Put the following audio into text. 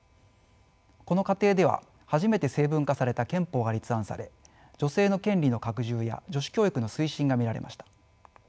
この過程では初めて成文化された憲法が立案され女性の権利の拡充や女子教育の推進が見られました。